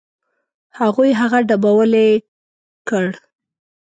هغوی هغه ډبولی کړ.